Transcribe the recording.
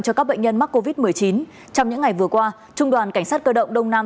cho các bệnh nhân mắc covid một mươi chín trong những ngày vừa qua trung đoàn cảnh sát cơ động đông nam